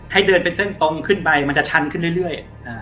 ให้เดินเป็นเส้นตรงขึ้นไปมันจะชันขึ้นเรื่อย